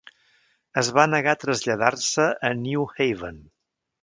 Es va negar a traslladar-se a New Haven.